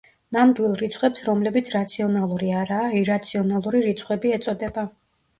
ნამდვილ რიცხვებს რომლებიც რაციონალური არაა ირაციონალური რიცხვები ეწოდება.